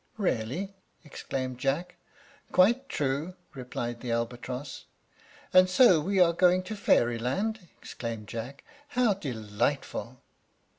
"Really?" exclaimed Jack. "Quite true," replied the albatross. "And so we are going to Fairyland?" exclaimed Jack; "how delightful!"